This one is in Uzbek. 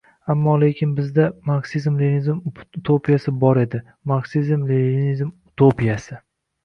Ammo-lekin bizda... marksizm-leninizm utopiyasi bor edi, marksizm-leninizm utopiyasi!